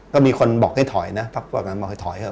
ก็มีคนบอกให้ถอยนะพักพวกกันมาให้ถอยเถ